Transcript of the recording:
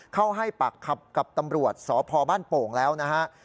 เข้าให้ปากคำกับตำรวจสพบ้านโป่งแล้วนะฮะ